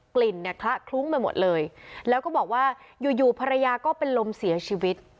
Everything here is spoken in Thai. กลิ่นเนี่ยคละคลุ้งไปหมดเลยแล้วก็บอกว่าอยู่อยู่ภรรยาก็เป็นลมเสียชีวิต